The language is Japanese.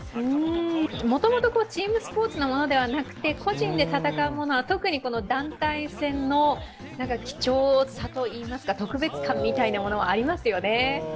もともとチームスポーツのものではなくて個人で戦うものは特に団体戦の貴重さといいますか特別感みたいなものはありますよね。